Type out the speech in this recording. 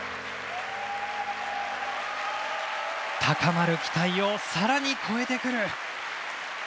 高まる期待をさらに超えてくる。